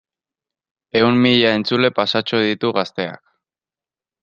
Ehun mila entzule pasatxo ditu Gazteak.